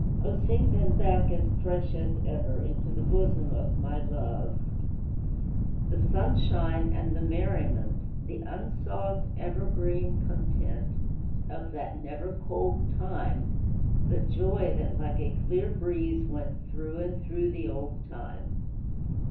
O, sing them back, as fresh as ever, Into the bosom of my love, The sunshine and the merriment, The unsought, evergreen content, Of that never cold time, The joy, that, like a clear breeze, went Through and through the old time!